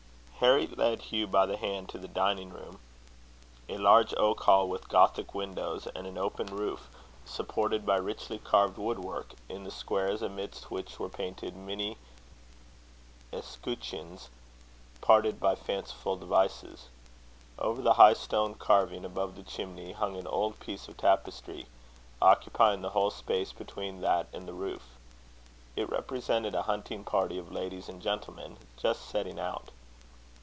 Harry led Hugh by the hand to the dining room, a large oak hall with Gothic windows, and an open roof supported by richly carved woodwork, in the squares amidst which were painted many escutcheons parted by fanciful devices. Over the high stone carving above the chimney hung an old piece of tapestry, occupying the whole space between that and the roof. It represented a hunting party of ladies and gentlemen, just setting out.